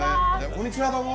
こんにちはどうも。